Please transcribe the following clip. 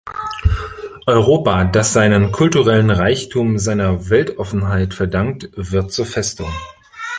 Europa, das seinen kulturellen Reichtum seiner Weltoffenheit verdankt, wird zur Festung.